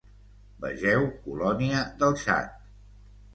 Vegeu Colònia del Txad.